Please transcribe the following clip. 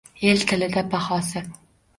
El tilida bahosi